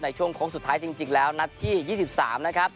ช่วงโค้งสุดท้ายจริงแล้วนัดที่๒๓นะครับ